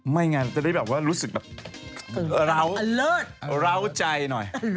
ไม่อย่างนั้นเป็นแบบว่ารู้สึกแบบเล่าระเอาใจหน่อย